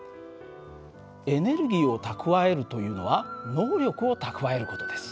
エネルギーを蓄えるというのは能力を蓄える事です。